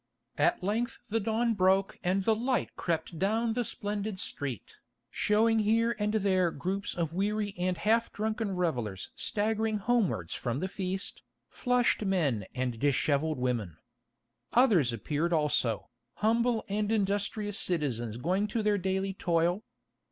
At length the dawn broke and the light crept down the splendid street, showing here and there groups of weary and half drunken revellers staggering homewards from the feast, flushed men and dishevelled women. Others appeared also, humble and industrious citizens going to their daily toil.